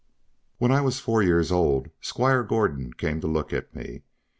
When I was four years old, Squire Gordon came to look at me.